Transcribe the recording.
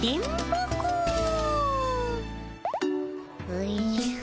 おじゃ。